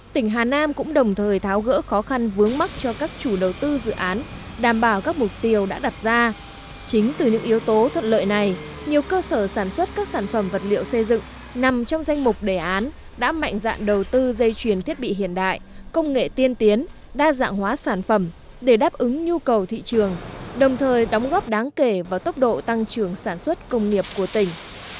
trong quá trình triển khai đề án này nhiều cơ sở sản xuất các sản phẩm vật liệu xây dựng nằm trong danh mục đề án đã mạnh dạng đầu tư dây chuyển thiết bị hiện đại công nghệ tiên tiến đa dạng hóa sản phẩm để đáp ứng nhu cầu thị trường đồng thời đóng góp đáng kể vào tốc độ tăng trưởng sản xuất công nghiệp của tỉnh